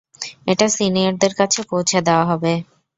এটা সিনিয়রদের কাছে পৌঁছে দেওয়া হবে।